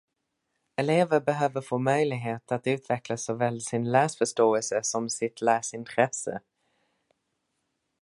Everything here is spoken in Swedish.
Elever behöver få möjlighet att utveckla såväl sin läsförståelse som sitt läsintresse.